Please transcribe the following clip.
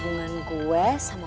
soalnya nereda suara nheartismenya